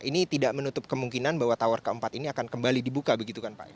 ini tidak menutup kemungkinan bahwa tower keempat ini akan kembali dibuka begitu kan pak